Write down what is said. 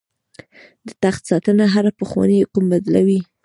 د تخت ساتنه هر پخوانی حکم بدلوي.